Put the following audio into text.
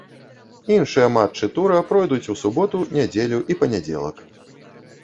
Іншыя матчы тура пройдуць у суботу, нядзелю і панядзелак.